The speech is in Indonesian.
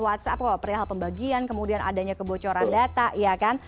whatsapp kalau perihal pembagian kemudian adanya kebocoran data